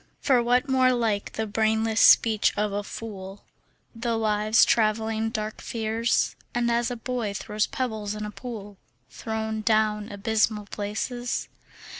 For what more like the brainless speech of a fool, The lives travelling dark fears, And as a boy throws pebbles in a pool Thrown down abysmal places?